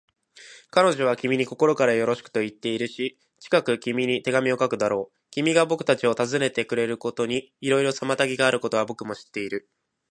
彼女は君に心からよろしくといっているし、近く君に手紙を書くだろう。君がぼくたちを訪ねてくれることにいろいろ妨げがあることは、ぼくも知っている。